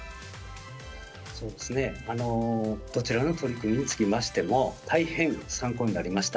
そうですねどちらの取り組みにつきましても大変参考になりました。